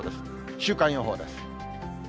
週間予報です。